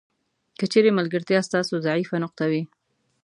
که چیرې ملګرتیا ستاسو ضعیفه نقطه وي.